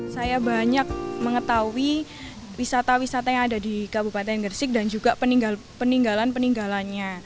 saya banyak mengetahui wisata wisata yang ada di kabupaten gersik dan juga peninggalan peninggalannya